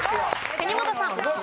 国本さん。